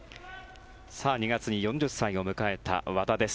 ２月に４０歳を迎えた和田です。